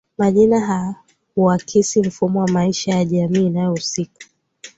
Majina huakisi mfumo wa maisha ya jamii inayohusika